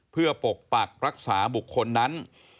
เพื่อปกปักรักษาบุคคลนั้น